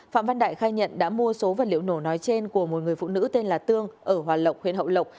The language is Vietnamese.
phạm văn đại khai nhận đã mua số vật liệu nổ nói trên của một người phụ nữ tên là tương ở hòa lộc huyện hậu lộc